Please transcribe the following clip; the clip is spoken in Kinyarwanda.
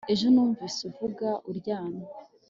ejo numvise uvuga uryamye